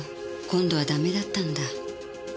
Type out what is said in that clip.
今度はダメだったんだ。